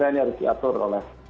ini harus diatur oleh